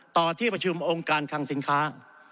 ต่อที่ประชุมองค์การคังสินค้า